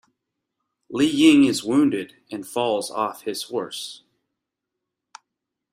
Li Ying is wounded and falls off his horse.